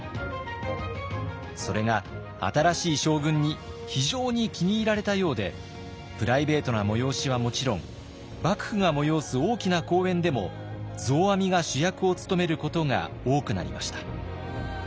それが新しい将軍に非常に気に入られたようでプライベートな催しはもちろん幕府が催す大きな公演でも増阿弥が主役を務めることが多くなりました。